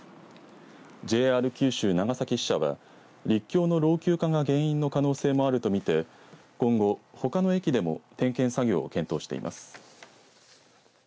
ＪＲ九州、長崎支社は陸橋の老朽化が原因の可能性もあるとみて今後、ほかの駅でも点検作業を検討しています。